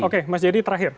oke mas jadi terakhir